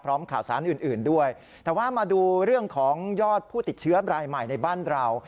ข่าวสารอื่นอื่นด้วยแต่ว่ามาดูเรื่องของยอดผู้ติดเชื้อรายใหม่ในบ้านเรา